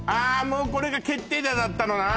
もうこれが決定打だったのな